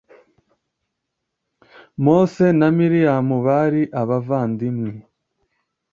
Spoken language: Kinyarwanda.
Mose na Miriyamu bari abavandimwe